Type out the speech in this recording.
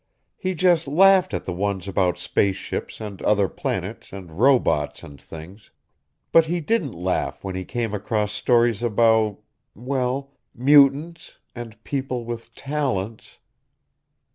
He just laughed at the ones about space ships and other planets and robots and things, but he didn't laugh when came across stories about ... well, mutants, and people with talents...."